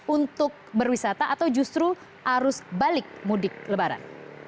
untuk berwisata atau justru arus balik mudik lebaran